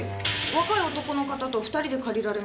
若い男の方と２人で借りられました。